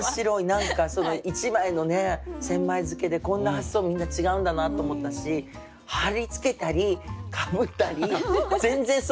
何か一枚の千枚漬けでこんな発想もみんな違うんだなと思ったし貼り付けたりかぶったり全然想像ファンタジーですね何かね。